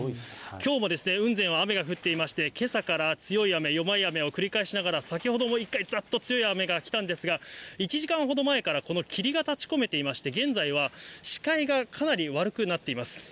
きょうも雲仙は雨が降っていまして、けさから強い雨、弱い雨を繰り返しながら、先ほども一回、ざっと強い雨が来たんですが、１時間ほど前から霧が立ちこめていまして、現在は視界がかなり悪くなっています。